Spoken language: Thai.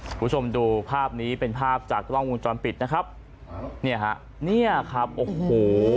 คุณผู้ชมดูภาพนี้เป็นภาพจากกล้องวงจรปิดนะครับเนี่ยฮะเนี่ยครับโอ้โห